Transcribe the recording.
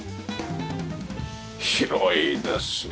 広いですね。